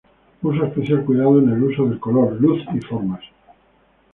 Puso especial cuidado en el uso del color, luz y formas.